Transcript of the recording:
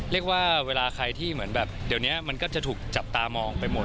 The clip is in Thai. เวลาใครที่เหมือนแบบเดี๋ยวนี้มันก็จะถูกจับตามองไปหมด